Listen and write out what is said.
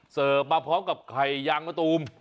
เสิร์ฟมาพร้อมกับไข่ยางมะตูม